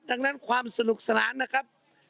ดังนั้นความสนุกสนานนะครับ